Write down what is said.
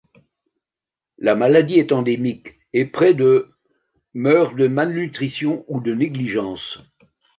La maladie est endémique et près de meurent de malnutrition ou de négligence.